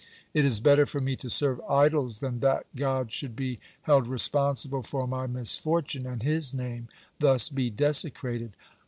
It is better for me to serve idols than that God should be held responsible for my misfortune, and His Name thus be desecrated."